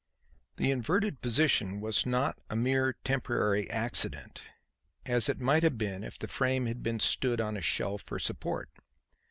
The inverted position was not a mere temporary accident, as it might have been if the frame had been stood on a shelf or support.